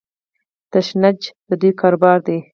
تشنج د دوی کاروبار دی.